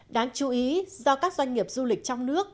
đáng chú ý do các doanh nghiệp du lịch trong nước